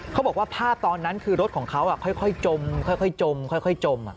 เขาบอกว่าภาพตอนนั้นคือรถของเขาค่อยจมค่อยจมค่อยจม